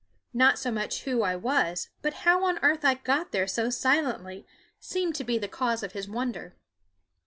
Not so much who I was, but how on earth I got there so silently seemed to be the cause of his wonder.